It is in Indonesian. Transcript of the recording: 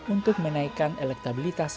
untuk menaikkan elektabilitas